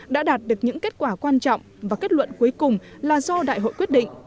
đã đạt được những kết quả quan trọng và kết luận cuối cùng là do đại hội quyết định